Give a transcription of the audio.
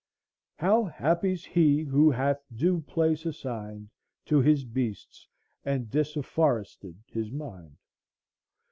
— "How happy's he who hath due place assigned To his beasts and disafforested his mind!